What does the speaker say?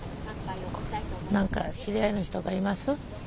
何か知り合いの人とかいます？